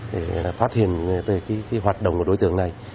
để phát hiện về hoạt động của đối tượng này